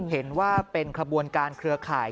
เห็นว่าเป็นขบวนการเครือข่าย